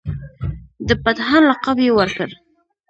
د پتهان لقب یې ورکړ.